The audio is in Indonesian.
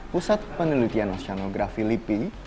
pusat penelitian nasianografi lipi